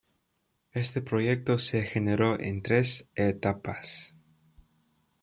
Este proyecto se generó en tres etapas.